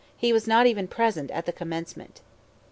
He was not even present at the Commencement.